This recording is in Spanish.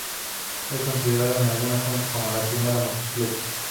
Es considerado en algunas fuentes como la primera motocicleta.